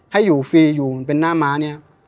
ให้อยู่ฟรีอยู่มันเป็นหน้าม้าเนี่ย